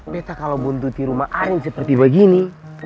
beta kalau buntu di rumah ahrim seperti begini